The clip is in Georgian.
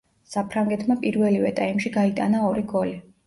საფრანგეთმა პირველივე ტაიმში გაიტანა ორი გოლი.